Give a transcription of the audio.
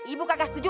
ibu kagak setuju